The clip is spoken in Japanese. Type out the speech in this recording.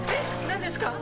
何ですか？